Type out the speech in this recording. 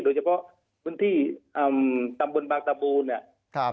โดยเฉพาะพื้นที่ตำบลภาคตะบูนะครับ